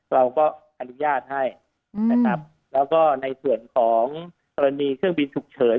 เราก็อนุญาตให้นะครับแล้วก็ในส่วนของกรณีเครื่องบินฉุกเฉิน